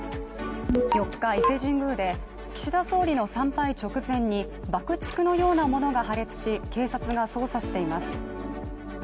４日、伊勢神宮で岸田総理の参拝直前に爆竹のようなものが破裂し、警察が捜査しています。